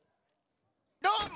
どーも。